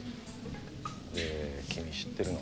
で君知ってるの？